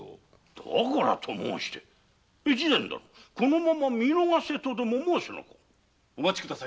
だからと申して大岡殿このまま見逃せとでも申すのかお待ちください